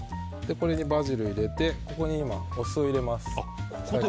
これにバジルを入れてお酢を入れます。